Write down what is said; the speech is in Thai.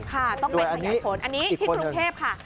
ค่ะต้องไปขยายผลอันนี้ที่กรุงเทพค่ะ